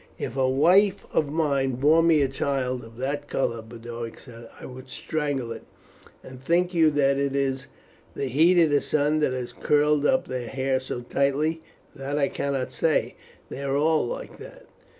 "If a wife of mine bore me a child of that colour," Boduoc said, "I would strangle it. And think you that it is the heat of the sun that has curled up their hair so tightly?" "That I cannot say they are all like that."